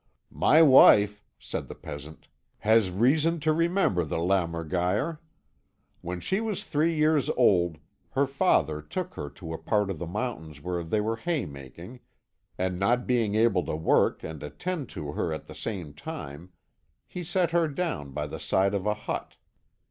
"My wife," said the peasant, "has reason to remember the lämmergeier. When she was three years old her father took her to a part of the mountains where they were hay making, and not being able to work and attend to her at the same time, he set her down by the side of a hut.